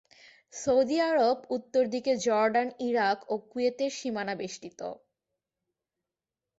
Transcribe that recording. Saudi আরব উত্তর দিকে জর্ডান, ইরাক ও কুয়েতের সীমানা বেষ্টিত।